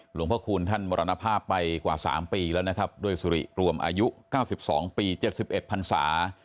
หลวงพระคูณท่านมรณภาพไปกว่า๓ปีแล้วนะครับด้วยสุริรวมอายุ๙๒ปี๗๑พันศา